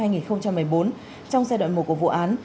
trong giai đoạn một của vụ án